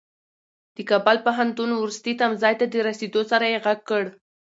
د کابل پوهنتون وروستي تمځای ته د رسېدو سره يې غږ کړ.